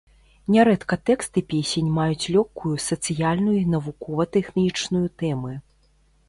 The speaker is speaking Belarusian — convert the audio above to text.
Нярэдка тэксты песень маюць лёгкую сацыяльную і навукова-тэхнічную тэмы.